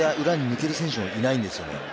裏に抜ける選手がいないんですよね。